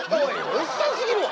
おっさんすぎるわ。